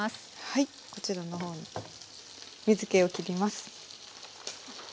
はいこちらの方水けをきります。